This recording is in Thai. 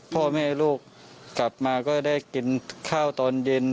พ่อแม่ลูกกลับมาก็ได้กินข้าวตอนเย็น